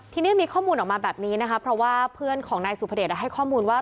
ทีนี้มีข้อมูลออกมาแบบนี้นะคะเพราะว่าเพื่อนของนายสุภเดชให้ข้อมูลว่า